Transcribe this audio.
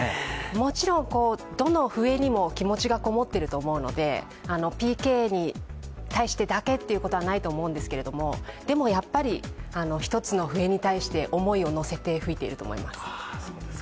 もちろんどの笛にも気持ちがこもっていると思うので、ＰＫに対してだけっていうことはないと思うんですけども、でもやっぱり、一つの笛に対して思いを乗せて吹いていると思います。